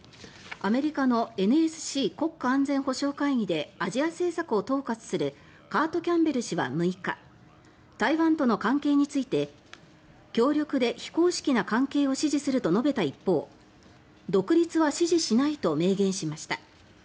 アメリカのＮＳＣ・国家安全保障会議でアジア政策を統括するカート・キャンベル氏は６日台湾との関係について強力で非公式な関係を支持すると述べた一方、独立は支持しないと明言しました。